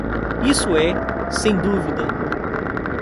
Isso é sem dúvida.